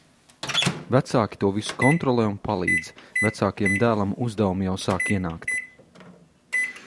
Vecāki to visu kontrolē un palīdz. Vecākajam dēlam uzdevumi jau sāk ienākt.